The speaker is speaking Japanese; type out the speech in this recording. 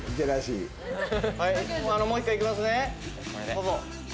どうぞ。